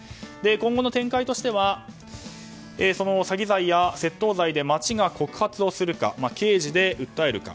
今後の展開としては詐欺罪や窃盗罪で町が告発をするか刑事で訴えるか。